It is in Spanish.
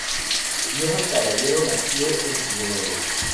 Johan Caballero nació en Rionegro.